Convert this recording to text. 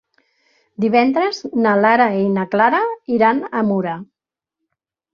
Divendres na Lara i na Clara iran a Mura.